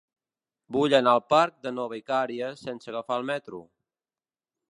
Vull anar al parc de Nova Icària sense agafar el metro.